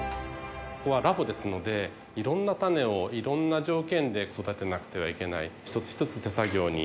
ここはラボですのでいろんな種をいろんな条件で育てなくてはいけない。